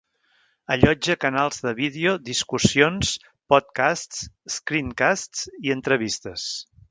Allotja canals de vídeo, discussions, podcasts, screencasts i entrevistes.